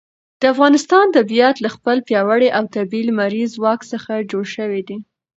د افغانستان طبیعت له خپل پیاوړي او طبیعي لمریز ځواک څخه جوړ شوی دی.